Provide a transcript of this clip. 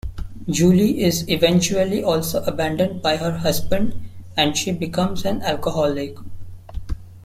Julie is eventually also abandoned by her husband, and she becomes an alcoholic.